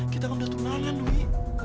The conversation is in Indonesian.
kita kan udah tunangan loi